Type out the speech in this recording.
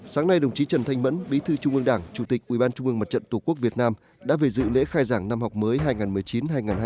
sáng nay đồng chí trần thanh mẫn bí thư trung ương đảng chủ tịch ubnd tổ quốc việt nam đã về dự lễ khai giảng năm học mới hai nghìn một mươi chín hai nghìn hai mươi